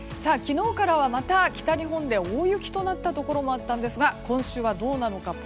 昨日からはまた北日本で大雪となったところもあったんですが今週はどうなのか